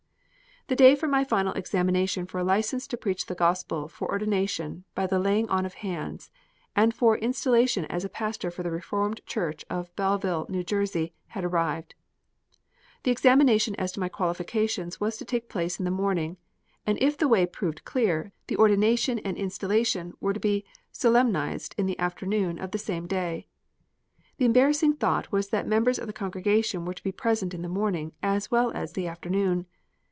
The day for my final examination for a licence to preach the Gospel for ordination by the laying on of hands, and for installation as pastor for the Reformed Church of Belleville, N.J., had arrived. The examination as to my qualifications was to take place in the morning, and if the way proved clear, the ordination and installation were to be solemnised in the afternoon of the same day. The embarrassing thought was that members of the congregation were to be present in the morning, as well as the afternoon.